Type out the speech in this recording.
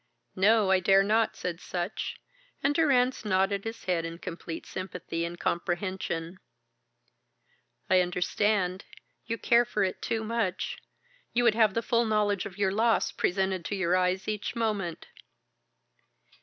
"No, I dare not," said Sutch, and Durrance nodded his head in complete sympathy and comprehension. "I understand. You care for it too much. You would have the full knowledge of your loss presented to your eyes each moment."